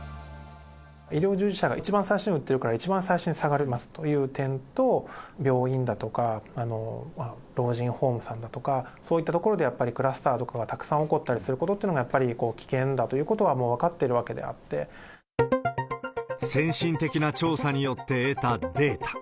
医療従事者が一番最初に打ってるから、一番最初に下がりますという点と、病院だとか老人ホームさんだとか、そういった所でやっぱりクラスターとかがたくさん起こったりすることっていうのが危険だということは、もう分かっているわけであ先進的な調査によって得たデータ。